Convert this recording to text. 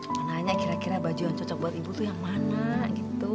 mananya kira kira baju yang cocok buat ibu tuh yang mana gitu